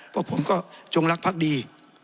ว่าผมก็จงลักษณ์พักดี